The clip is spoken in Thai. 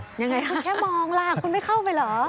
ยังไงคะแค่มองล่ะคุณไม่เข้าไปเหรอ